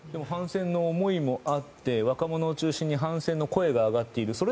反戦の思いもあって若者を中心に反戦の声が上がっている。